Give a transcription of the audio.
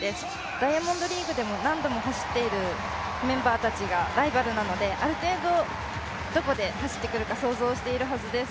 ダイヤモンドリーグでも何度も走っているメンバーたちがライバルなので、ある程度、どこで走ってくるか想像しているはずです。